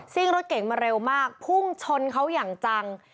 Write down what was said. รถเก่งมาเร็วมากพุ่งชนเขาอย่างจัง